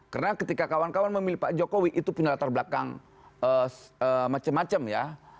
karena ketika kawan kawan memilih pak jokowi itu punya latar belakang macam macam ya